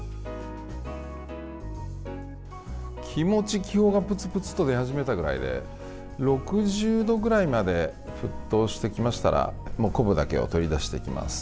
気持ち気泡がプツプツと出始めたぐらいで６０度ぐらいまで沸騰してきましたら昆布だけを取り出していきます。